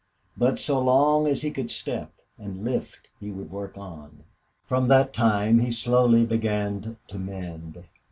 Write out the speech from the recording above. But so long as he could step and lift he would work on. From that time he slowly began to mend.